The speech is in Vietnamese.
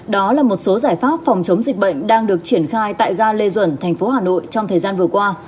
đó là một số giải pháp phòng chống dịch bệnh đang được triển khai tại ga lê duẩn thành phố hà nội trong thời gian vừa qua